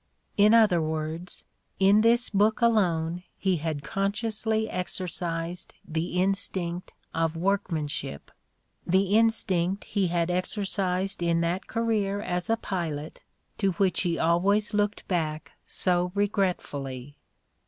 '' In other words, in this book alone he had consciously exercised the instinct of workmanship, the instinct he had exercised in that career as a pilot to which he always looked back so regretfully.